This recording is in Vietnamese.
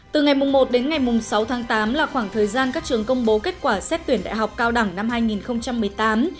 từ ngày một đến ngày sáu tháng tám là khoảng thời gian các trường công bố kết quả xét tuyển đại học cao đẳng năm hai nghìn một mươi tám